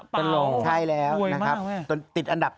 เป็นหล่อใช่แล้วโอ้โหรวยมากนะครับติดอันดับต้นต้น